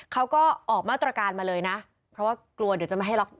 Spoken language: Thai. เขาก็ออกมาตรการมาเลยนะเพราะว่ากลัวเดี๋ยวจะไม่ให้ล็อก